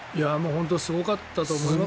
すごかったと思います。